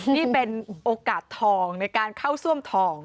นี่เป็นโอกาสทองในการเข้าซ่วมทอง